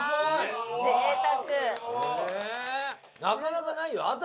なかなかないよ。